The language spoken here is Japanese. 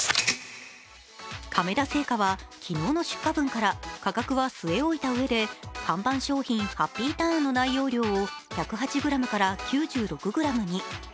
亀田製菓は昨日の出荷分から価格は据え置いたうえで看板商品・ハッピーターンの内容量を１０８ｇから９６ｇに。